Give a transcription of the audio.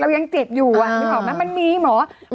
เรายังเจ็บอยู่อ่ะเออมันบอกมันมีหมออืม